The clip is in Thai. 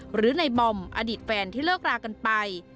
หรือในบอมอดีตแฟนที่เลิกรากันไป